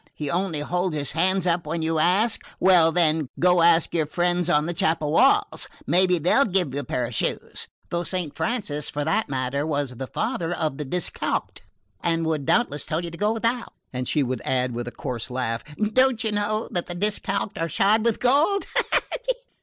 He only holds his hands up when you ask? Well, then, go ask your friends on the chapel walls maybe they'll give you a pair of shoes though Saint Francis, for that matter, was the father of the discalced, and would doubtless tell you to go without!" And she would add with a coarse laugh: "Don't you know that the discalced are shod with gold?"